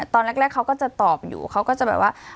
ตอนแรกเขาก็จะตอบอยู่เขาก็จะแบบว่า